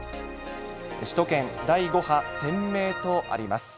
首都圏第５波鮮明とあります。